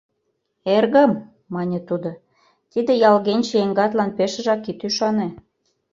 — Эргым, — мане тудо, — тиде ялгенче еҥгатлан пешыжак ит ӱшане.